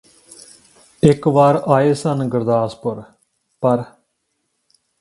ਇਕ ਵਾਰ ਆਏ ਸਨ ਗੁਰਦਾਸਪੁਰ ਪਰ